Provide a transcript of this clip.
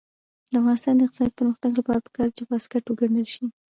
د افغانستان د اقتصادي پرمختګ لپاره پکار ده چې واسکټ وګنډل شي.